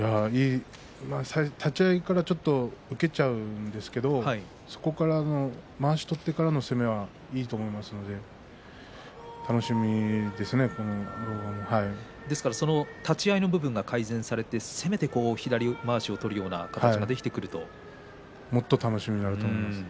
立ち合いからちょっと受けちゃうんですけれどそこからまわしを取ってからの攻めはいいと思いますので立ち合いの部分が改善されて攻めて左まわしをもっと楽しみだと思います。